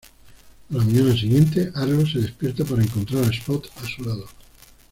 A la mañana siguiente, Arlo se despierta para encontrar a Spot a su lado.